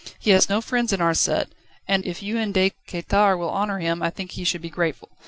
"He has no friends in our set, and if you and De Quettare will honour him, I think he should be grateful."